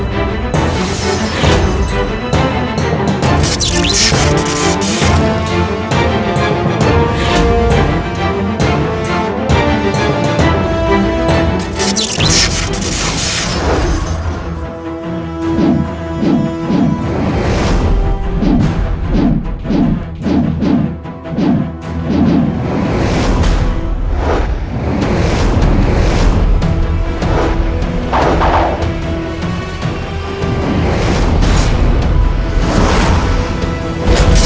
terusah terusah terusah terusah